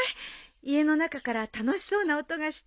家の中から楽しそうな音がしてつい。